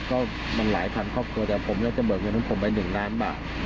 ก็มันหลายพันครอบครัวแต่ผมจะเบิกเงินของผมไป๑ล้านบาท